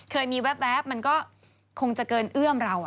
เคยมีแว๊บมันก็คงจะเกินเอื้อมเรา